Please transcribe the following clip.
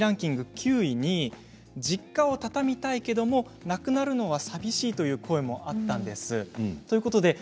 ９位に実家を畳みたいんですけどなくなるのは寂しいという声もあったんです。